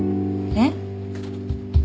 えっ？